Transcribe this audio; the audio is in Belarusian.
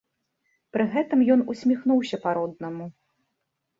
Пры гэтым ён усміхнуўся па-роднаму.